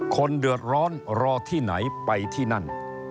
คนเดือดร้อนรอที่ไหนไปที่นั่น